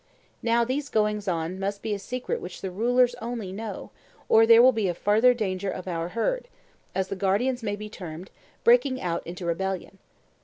Now these goings on must be a secret which the rulers only know, or there will be a further danger of our herd, as the guardians may be termed, breaking out into rebellion.